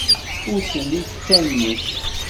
Ur ttili d Tanit.